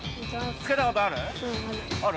着けたことある？